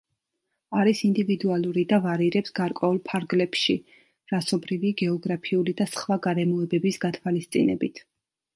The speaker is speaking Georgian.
არის ინდივიდუალური და ვარირებს გარკვეულ ფარგლებში რასობრივი, გეოგრაფიული და სხვა გარემოებების გათვალისწინებით.